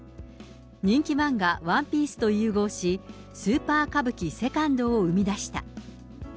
人気漫画、ＯＮＥＰＩＥＣＥと融合し、スーパー歌舞伎セカンドを生み出した。